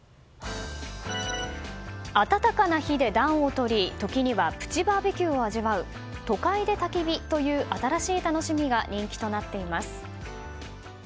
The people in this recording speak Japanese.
暖かな火で暖をとり時にはプチバーベキューを味わう都会でたき火という新しい楽しみが人気となっています。